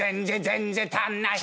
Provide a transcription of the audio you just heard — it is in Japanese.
全然足んない。